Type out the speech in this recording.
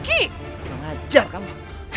tidak ngajar kamu